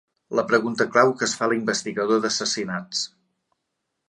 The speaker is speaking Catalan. La pregunta clau que es fa l'investigador d'assassinats.